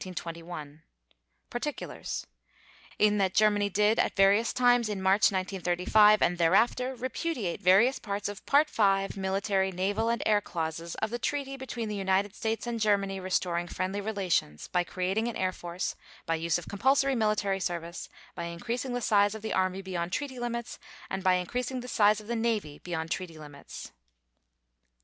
_ PARTICULARS: In that Germany did, at various times in March 1935 and thereafter, repudiate various parts of Part V, Military, Naval, and Air Clauses of the Treaty between the United States and Germany Restoring Friendly Relations by creating an air force, by use of compulsory military service, by increasing the size of the army beyond treaty limits, and by increasing the size of the navy beyond treaty limits.